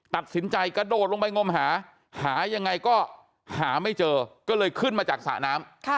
ตัดสินใจกระโดดลงไปงมหาหาหายังไงก็หาไม่เจอก็เลยขึ้นมาจากสระน้ำ